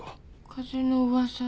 風の噂で。